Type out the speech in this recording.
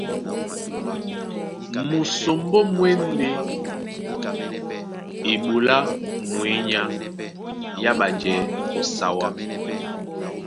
Musombó mú e ndé eɓoló á mwěnyá yá ɓajɛɛ̌ ó sáwá.